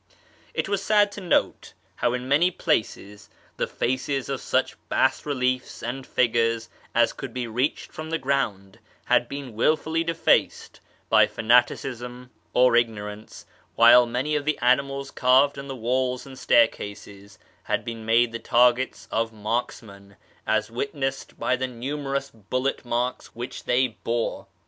It was sad to note how in many places the faces of such bas reliefs and figures as could be reached from the ground had been wilfully defaced by fanaticism or ignorance, while many of the animals carved on the walls and staircases had been made the targets of marksmen, as witnessed by the numerous i FROM ISFAHAN TO SHIrAZ 255 bullet marks which they bore.